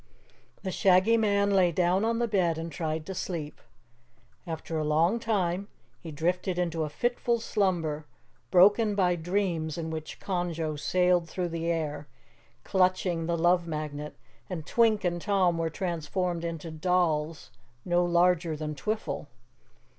The Shaggy Man lay down on the bed and tried to sleep. After a long time he drifted into a fitful slumber broken by dreams in which Conjo sailed through the air, clutching the Love Magnet, and Twink and Tom were transformed into dolls, no larger than Twiffle.